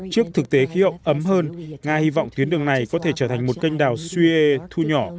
trước thực tế khí hậu ấm hơn nga hy vọng tuyến đường này có thể trở thành một canh đào suyê thu nhỏ